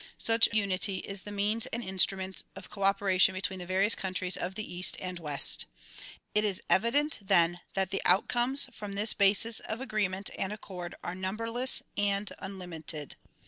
Such unity is tlie means and instrument of cooperation between the various countries of the east and west. It is evident then that the outcomes from this basis of agreement and accord are number less and unlimited.